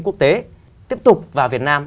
quốc tế tiếp tục vào việt nam